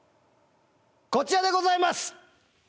こちらでございます！